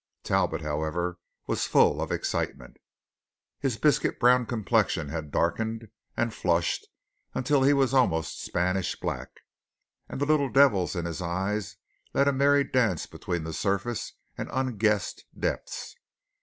Talbot, however, was full of excitement. His biscuit brown complexion had darkened and flushed until he was almost Spanish black, and the little devils in his eyes led a merry dance between the surface and unguessed depths.